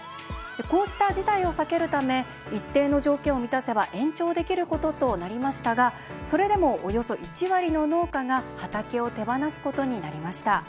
こうした事態を避けるため一定の条件を満たせば延長できることとなりましたがそれでも、およそ１割の農家が畑を手放すことになりました。